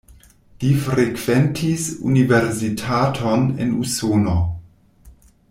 Li frekventis universitaton en Usono.